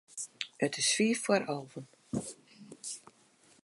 It is fiif foar alven.